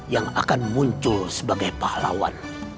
yang akan muncul sebagai pahlawan